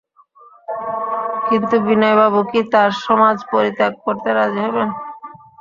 কিন্তু বিনয়বাবু কি তাঁর সমাজ পরিত্যাগ করতে রাজি হবেন?